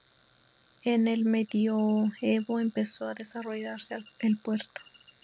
En el Medioevo empezó a desarrollarse el puerto.